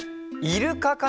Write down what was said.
イルカか。